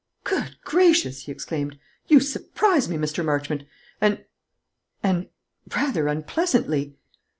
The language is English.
"Good gracious!" he exclaimed; "you surprise me, Mr. Marchmont, and and rather unpleasantly."